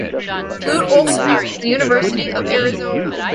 Lute Olson of the University of Arizona.